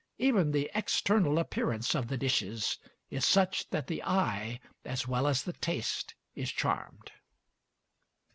Even the external appearance of the dishes is such that the eye, as well as the taste, is charmed....